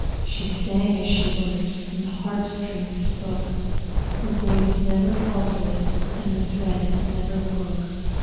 She sang as she worked, And the harp strings spoke; Her voice never faltered, And the thread never broke.